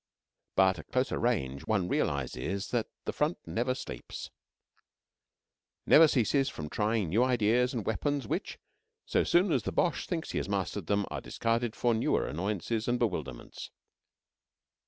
But at closer range one realizes that the Front never sleeps; never ceases from trying new ideas and weapons which, so soon as the Boche thinks he has mastered them, are discarded for newer annoyances and bewilderments.